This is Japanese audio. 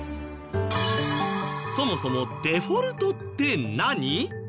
そもそもデフォルトって何？